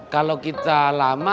kalau kita lama